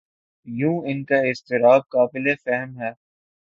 یوں ان کا اضطراب قابل فہم ہے۔